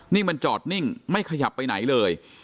นี่มันจอดนิ่งไม่ขยับไปไหนเลย